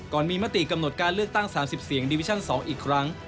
มีมติกำหนดการเลือกตั้ง๓๐เสียงดิวิชั่น๒อีกครั้ง